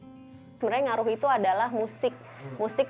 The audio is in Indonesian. sebenarnya ngaruh itu adalah musik musik